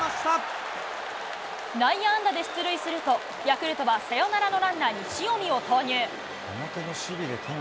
内野安打で出塁すると、ヤクルトはサヨナラのランナーに塩見を投入。